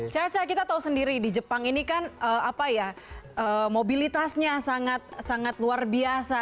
caca kita tahu sendiri di jepang ini kan mobilitasnya sangat sangat luar biasa